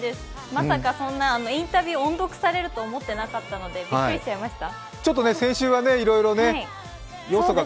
まさかそんなにインタビュー、音読されると思ってなかったので、びっくりしました。